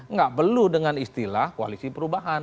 nggak belu dengan istilah koalisi perubahan